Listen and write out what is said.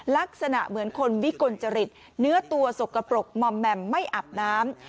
ลักษณะเหมือนคนวิกลจริตเนื้อตัวสกปรกมอมแมมไม่อาบน้ำ